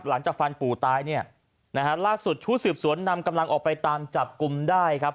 หลังจากฟันปู่ตายเนี่ยนะฮะล่าสุดชุดสืบสวนนำกำลังออกไปตามจับกลุ่มได้ครับ